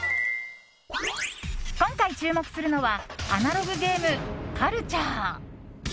今回注目するのはアナログゲームカルチャー。